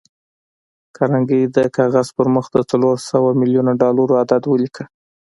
کارنګي د کاغذ پر مخ د څلور سوه ميليونه ډالر عدد وليکه.